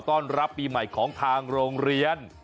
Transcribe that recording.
ต้อนรับปีใหม่ของทางโรงเรียน